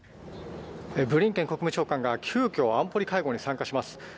ブリンケン国務長官が急きょ、安保理会合に参加します。